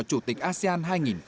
chủ tịch asean hai nghìn hai mươi